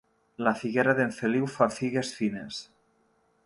La figuera d'en Feliu fa figues fines.